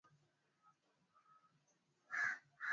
Sipendi mwalimu wangu.